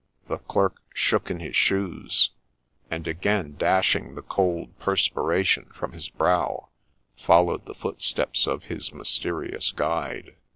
The Clerk shook in his shoes ; and, again dashing the cold perspiration from his brow, followed the footsteps of his mysterious guide.